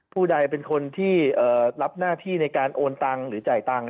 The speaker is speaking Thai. ผู้ใดเป็นคนที่รับหน้าที่ในการโอนตังค์หรือจ่ายตังค์